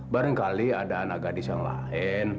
barangkali ada anak gadis yang lain